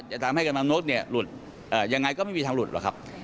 จะทำให้กำลังนุษย์หลุดยังไงก็ไม่มีทางหลุดหรอกครับ